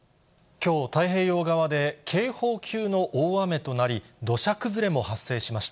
きょう、太平洋側で警報級の大雨となり、土砂崩れも発生しました。